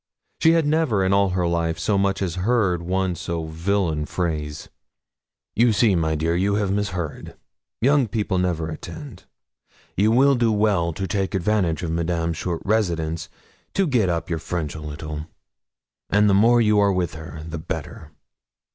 She had never in all her life so much as heard one so villain phrase. 'You see, my dear, you have misheard; young people never attend. You will do well to take advantage of Madame's short residence to get up your French a little, and the more you are with her the better.'